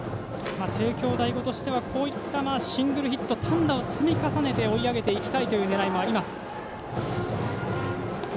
帝京第五は、こういった単打を積み重ねて追い上げていきたいという狙いもあります。